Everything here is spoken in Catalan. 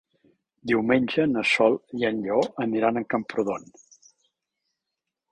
Diumenge na Sol i en Lleó aniran a Camprodon.